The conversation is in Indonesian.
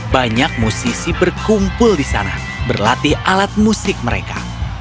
banyak musisi berkumpul di sana berlatih alat musik mereka